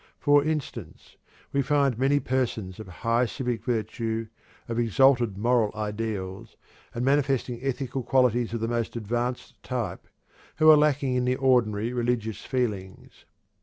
For instance, we find many persons of high civic virtue, of exalted moral ideals, and manifesting ethical qualities of the most advanced type, who are lacking in the ordinary religious feelings.